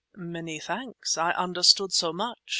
"Many thanks; I understood so much.